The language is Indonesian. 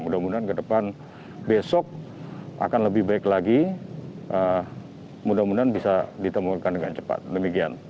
mudah mudahan ke depan besok akan lebih baik lagi mudah mudahan bisa ditemukan dengan cepat demikian